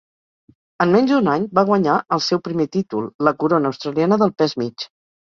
En menys d'un any va guanyar el seu primer títol, la corona australiana del pes mig.